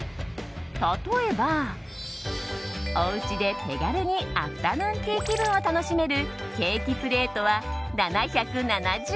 例えば、おうちで手軽にアフタヌーンティー気分を楽しめるケーキプレートは７７０円。